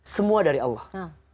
semua dari allah